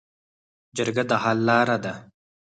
جرګه د حل لاره ده